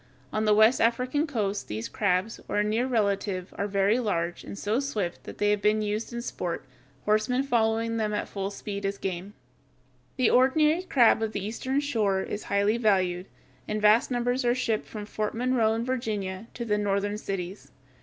On the West African coast these crabs, or a near relative, are very large, and so swift that they have been used in sport, horsemen following them at full speed as game. The ordinary crab of the Eastern shore is highly valued, and vast numbers are shipped from Fort Monroe in Virginia to the northern cities.